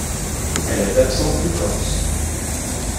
Elle est absente de Corse.